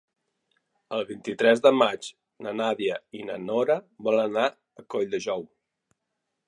El vint-i-tres de maig na Nàdia i na Nora volen anar a Colldejou.